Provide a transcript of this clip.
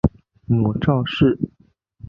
母赵氏。